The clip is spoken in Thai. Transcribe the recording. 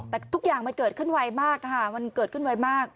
แต่ทุกอย่างมันเกิดขึ้นไวมากค่ะมันเกิดขึ้นไวมาก